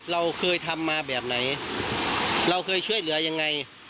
เราเคยทำมาแบบไหนเราเคยช่วยเหลือยังไง